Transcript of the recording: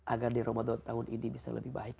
agar di ramadan tahun ini bisa lebih baik